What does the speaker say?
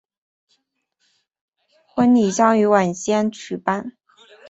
婚礼将于晚间举办。